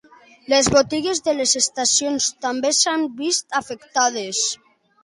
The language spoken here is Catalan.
Les botigues de les estacions també s'han vist afectades.